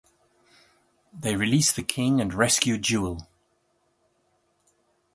They release the King and rescue Jewel.